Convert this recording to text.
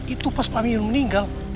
itu pas pak amin meninggal